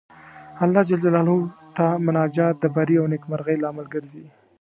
الله جل جلاله ته مناجات د بري او نېکمرغۍ لامل ګرځي.